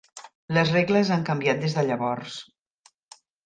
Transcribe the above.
Les regles han canviat des de llavors.